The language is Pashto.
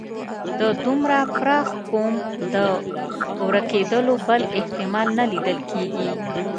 د دومره پراخ قوم د ورکېدلو بل احتمال نه لیدل کېږي.